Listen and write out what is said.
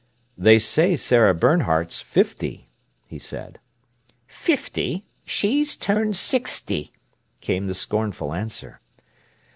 "They say Sarah Bernhardt's fifty," he said. "Fifty! She's turned sixty!" came the scornful answer.